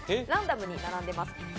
ランダムに並んでます。